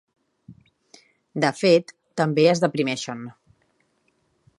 De fet, també es deprimeixen.